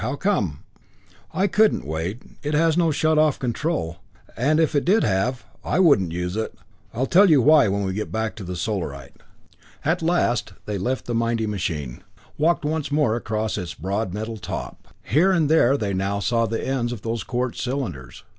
How come?" "I couldn't, Wade. It has no shut off control, and if it did have, I wouldn't use it. I will tell you why when we get back to the Solarite." At last they left the mighty machine; walked once more across its broad metal top. Here and there they now saw the ends of those quartz cylinders.